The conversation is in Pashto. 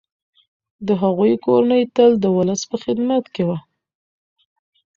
د هغوی کورنۍ تل د ولس په خدمت کي وه.